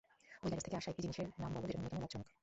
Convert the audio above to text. ওই গ্যারেজ থেকে আসা একটা জিনিসের নাম বলো যেটা ন্যূনতম লাভজনক।